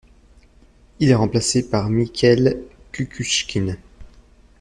Il est remplacé par Mikhail Kukushkin.